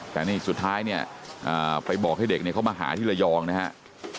แต่นี่สุดท้ายเนี่ยไปบอกให้เด็กเขามาหาที่ระยองนะครับ